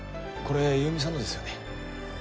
これ優美さんのですよね？